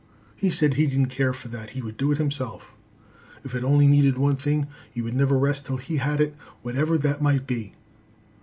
He said he didn't care for that. He would do it himself. If it only needed one thing he would never rest till he had it, whatever that might be.